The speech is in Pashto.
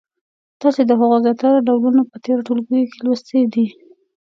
تاسو د هغو زیاتره ډولونه په تېرو ټولګیو کې لوستي دي.